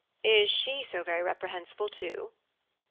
"Is she so very reprehensible too?"